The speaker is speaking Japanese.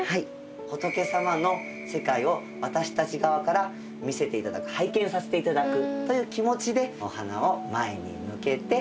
仏様の世界を私たち側から見せていただく拝見させていただくという気持ちでお花を前に向けて置かせていただきます。